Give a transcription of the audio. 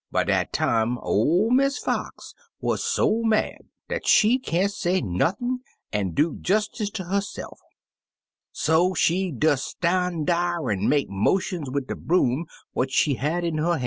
By dat time ol' Miss Fox wuz so mad dat she can't say nothin' an' do jestice ter her se'f, so she des stan' dar an' make motions wid de broom what she had in her ban'.